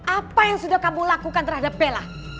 apa yang sudah kamu lakukan terhadap bella